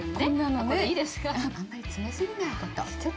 あまり詰め過ぎないこと。